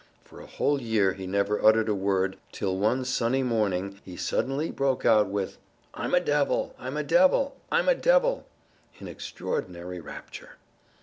For a whole year he never uttered a word till one sunny morning he suddenly broke out with, "I'm a devil, I'm a devil, I'm a devil!" in extraordinary rapture.